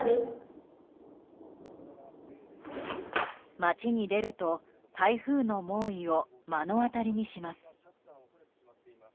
町に出ると、台風の猛威を目の当たりにします。